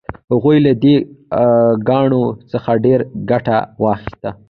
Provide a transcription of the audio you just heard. هغوی له دې کاڼو څخه ډیره ګټه واخیسته.